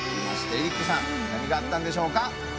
エリックさん何があったんでしょうか？